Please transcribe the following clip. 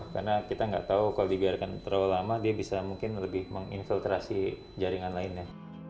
karena kita nggak tahu kalau dibiarkan terlalu lama dia bisa mungkin lebih menginfiltrasi jaringan lainnya